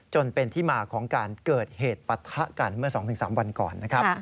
จนเป็นที่มาของการเกิดเหตุปรัฐการเมื่อ๒๓วันก่อน